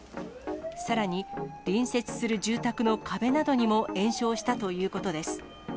さらに隣接する住宅の壁などにも延焼したということです。